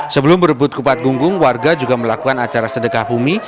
sebelum berebut kupat gunggung warga juga melakukan acara sedekah bumi